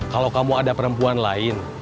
kalau kamu ada perempuan lain